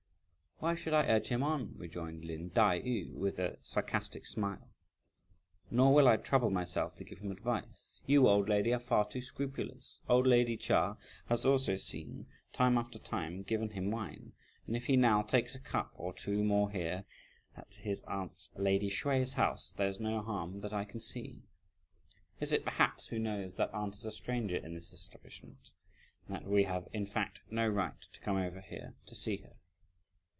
"Why should I urge him on?" rejoined Lin Tai yü, with a sarcastic smile, "nor will I trouble myself to give him advice. You, old lady, are far too scrupulous! Old lady Chia has also time after time given him wine, and if he now takes a cup or two more here, at his aunt's, lady Hsüeh's house, there's no harm that I can see. Is it perhaps, who knows, that aunt is a stranger in this establishment, and that we have in fact no right to come over here to see her?"